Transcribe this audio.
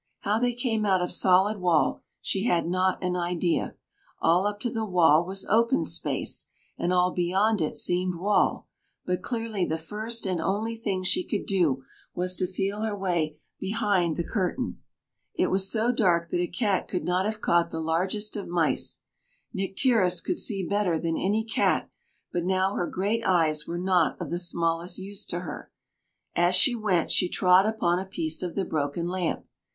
How they came out of solid wall, she had not an idea; all up to the wall was open space, and all beyond it seemed wall; but clearly the first and only thing she could do was to feel her way behind the curtain. It was so dark that a cat could not have caught the largest of mice. Nycteris could see better than any cat, but now her great eyes were not of the smallest use to her. As she went she trod upon a piece of the broken lamp.